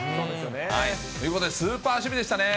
ということで、スーパー守備でしたね。